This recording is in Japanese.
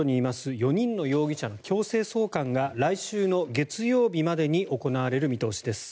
４人の容疑者の強制送還が来週の月曜日までに行われる見通しです。